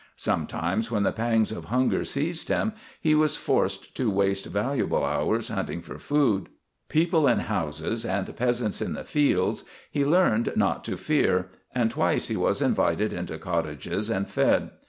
Sometimes, when the pangs of hunger seized him, he was forced to waste valuable hours hunting for food. People in houses and peasants in the fields he learned not to fear, and twice he was invited into cottages and fed.